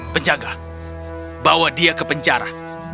penjaga bawa dia ke penjara